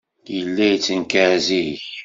Yella yettenkar zik.